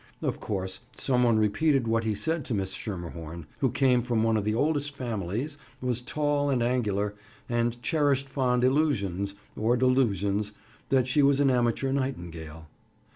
Of course, some one repeated what he said to Miss Schermerhorn, who came from one of the oldest families, was tall and angular, and cherished fond illusions, or delusions, that she was an amateur nightingale.